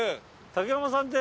山さんって。